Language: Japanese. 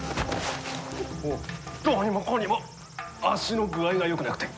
どうにもこうにも足の具合がよくなくて。